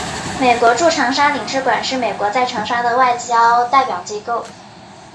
美国驻长沙领事馆是美国在长沙的外交代表机构。